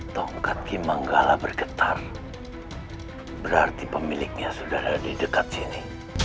tongkat kimanggala bergetar berarti pemiliknya sudah ada di dekat sini